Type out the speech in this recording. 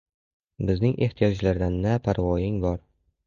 Bizning ehtiyojdan na parvoying bor